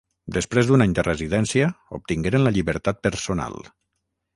Després d'un any de residència, obtingueren la llibertat personal.